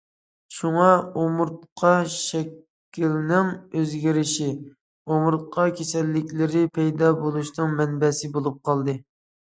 شۇڭا، ئومۇرتقا شەكلىنىڭ ئۆزگىرىشى ئومۇرتقا كېسەللىكلىرى پەيدا بولۇشىنىڭ مەنبەسى بولۇپ قالدى.